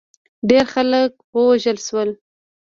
ډېر خلک ووژل شول.